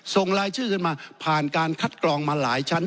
ส่งรายชื่อขึ้นมาผ่านการคัดกรองมาหลายชั้น